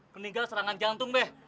keninggal serangan jantung be